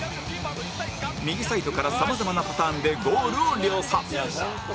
右サイドからさまざまなパターンでゴールを量産